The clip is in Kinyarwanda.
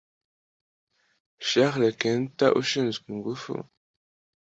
Charles Keter ushinzwe ingufu